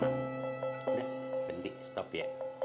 udah ganti stop ya